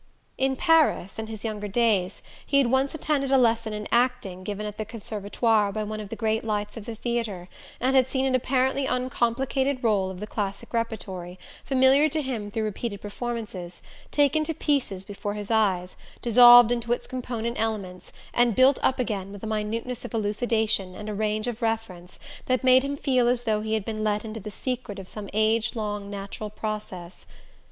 In Paris, in his younger days, he had once attended a lesson in acting given at the Conservatoire by one of the great lights of the theatre, and had seen an apparently uncomplicated role of the classic repertory, familiar to him through repeated performances, taken to pieces before his eyes, dissolved into its component elements, and built up again with a minuteness of elucidation and a range of reference that made him feel as though he had been let into the secret of some age long natural process.